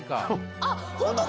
あっ、本当だ。